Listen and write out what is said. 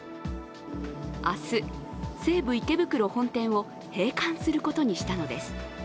明日、西武池袋本店を閉館することにしたのです。